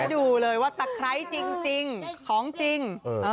ดูเลยว่าตะไคร้จริงของจริง